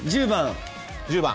１０番。